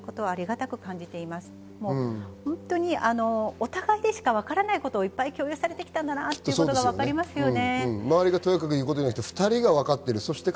お互いでしか分からないことをいっぱい共有されてきたんだなということがわかりますよね。